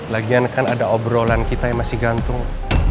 lagian kan ada obrolan kita yang masih gantung